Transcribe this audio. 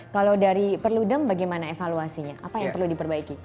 kalau dari perludem bagaimana evaluasinya apa yang perlu diperbaiki